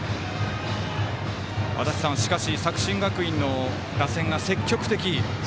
しかし、作新学院の打線が積極的。